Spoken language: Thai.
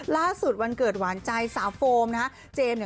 ล่าสุดวันเกิดหวานใจสาโฟมนะครับ